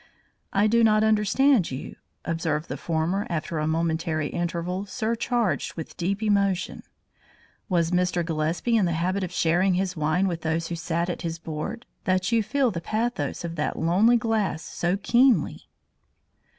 "I do not understand you," observed the former after a momentary interval surcharged with deep emotion. "Was Mr. Gillespie in the habit of sharing his wine with those who sat at his board, that you feel the pathos of that lonely glass so keenly?"